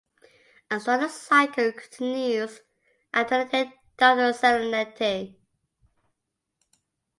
And so the cycle continues - alternating doubt and serenity.